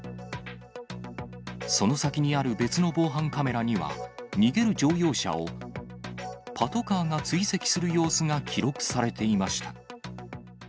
その先にある別の防犯カメラには、逃げる乗用車を、パトカーが追跡する様子が記録されていました。